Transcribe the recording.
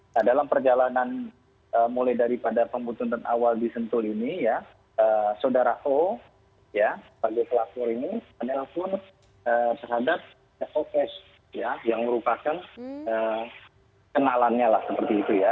nah dalam perjalanan mulai daripada pembututan awal di sentul ini ya saudara o ya sebagai pelapor ini menelpon terhadap sos ya yang merupakan kenalannya lah seperti itu ya